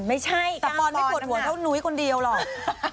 ไม่ใช่แต่ปอนไม่ปวดหัวเท่านุ้ยคนเดียวหรอก